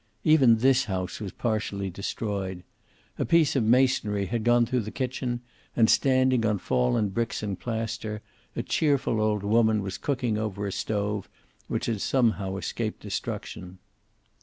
Even this house was partially destroyed. A piece of masonry had gone through the kitchen, and standing on fallen bricks and plaster, a cheerful old woman was cooking over a stove which had somehow escaped destruction.